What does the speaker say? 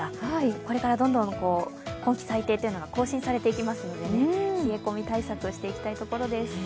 これからどんどん今季最低が更新されていきますので、冷え込み対策していきたいところです。